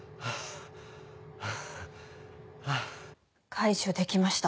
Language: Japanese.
解除できました。